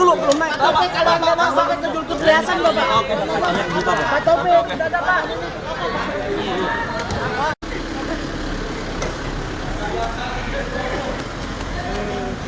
pak topik anak pak sampai ke jual perhiasan nggak pak